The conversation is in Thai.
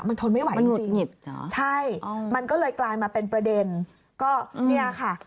มันทนไม่ไหวจริงใช่มันก็เลยกลายมาเป็นประเด็นก็เนี่ยค่ะ